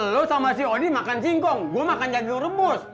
lo sama si odi makan singkong gue makan janjung rebus